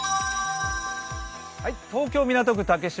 東京・港区竹芝